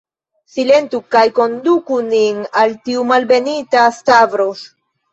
Silentu, kaj konduku nin al tiu malbenita Stavros.